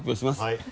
はい。